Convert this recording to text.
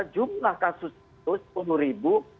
jumlah kasus itu